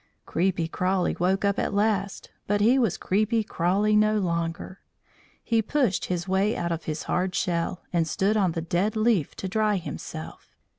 Creepy Crawly woke up at last, but he was Creepy Crawly no longer. He pushed his way out of his hard shell and stood on the dead leaf to dry himself.